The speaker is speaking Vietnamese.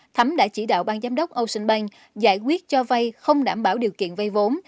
thắm đã chỉ đạo bang giám đốc ocean bank giải quyết cho vay không đảm bảo điều kiện vay vốn